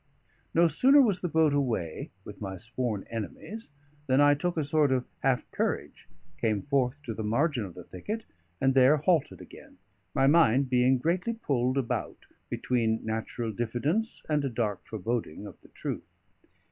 No sooner was the boat away with my sworn enemies than I took a sort of half courage, came forth to the margin of the thicket, and there halted again, my mind being greatly pulled about between natural diffidence and a dark foreboding of the truth.